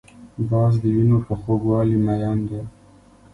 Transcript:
باز د وینو په خوږوالي مین دی